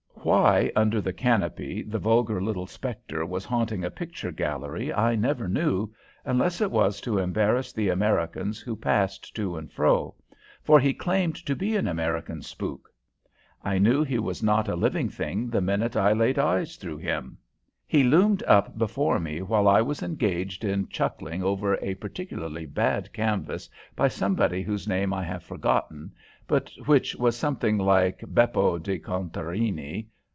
Why, under the canopy, the vulgar little spectre was haunting a picture gallery I never knew, unless it was to embarrass the Americans who passed to and fro, for he claimed to be an American spook. I knew he was not a living thing the minute I laid eyes through him. He loomed up before me while I was engaged in chuckling over a particularly bad canvas by somebody whose name I have forgotten, but which was something like Beppo di Contarini.